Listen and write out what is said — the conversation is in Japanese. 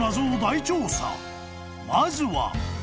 ［まずは］